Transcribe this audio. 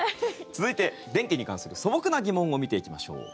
続いて、電気に関する素朴な疑問を見ていきましょう。